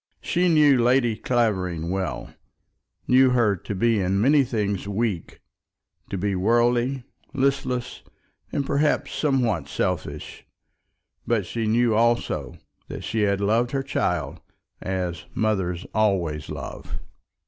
She knew Lady Clavering well; knew her to be in many things weak, to be worldly, listless, and perhaps somewhat selfish; but she knew also that she had loved her child as mothers always love.